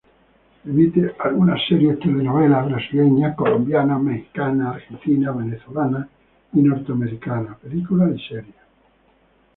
Emite algunas series, telenovelas brasileñas, colombianas, mexicanas, argentinas, venezolanas y norteamericanas, películas y series.